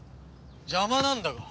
邪魔なんだが。